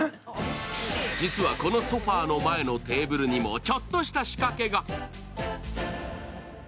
実はこのソファーの前のテーブルにもちょっとした仕掛けが。